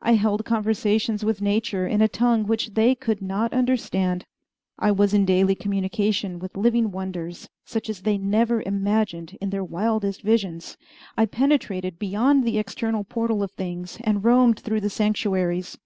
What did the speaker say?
I held conversations with nature in a tongue which they could not understand. I was in daily communication with living wonders such as they never imagined in their wildest visions, I penetrated beyond the external portal of things, and roamed through the sanctuaries.